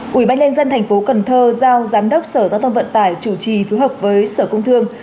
quỹ ban nhân dân thành phố cần thơ giao giám đốc sở giao thông vận tải chủ trì phối hợp với sở công thương